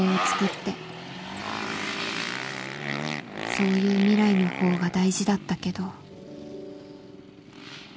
そういう未来の方が大事だったけど